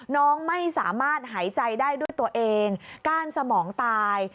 น้องไม่สามารถหายใจได้ด้วยตัวเองก้านสมองตาย